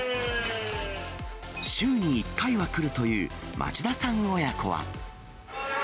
週に１回は来るという町田さん親子は。